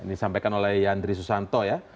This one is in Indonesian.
disampaikan oleh yandri susanto ya